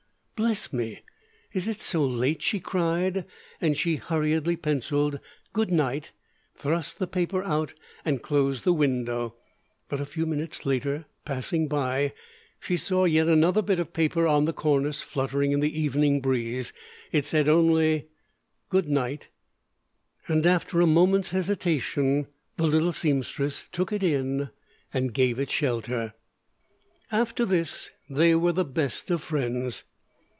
"Bless me, is it so late?" she cried, and she hurriedly penciled Good Night, thrust the paper out, and closed the window. But a few minutes later, passing by, she saw yet another bit of paper on the cornice, fluttering in the evening breeze. It said only good nite, and after a moment's hesitation, the little seamstress took it in and gave it shelter. After this they were the best of friends.